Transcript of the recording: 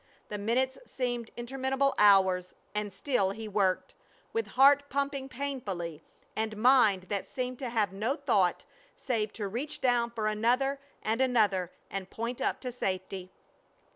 The minutes seemed interminable hours, and still he worked, with heart pumping painfully, and mind that seemed to have no thought save to reach down for another and another, and point up to safety.